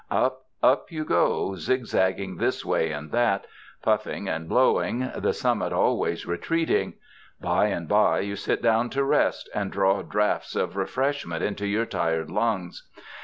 Up, up, you go, zigzagging this way and that, puff ing and blowing, the summit always retreating. By and by, you sit down to rest and draw draughts of refreshment into your tired lungs.